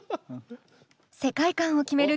世界観を決める